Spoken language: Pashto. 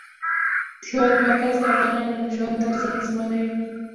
د هېواد مرکز د افغانانو د ژوند طرز اغېزمنوي.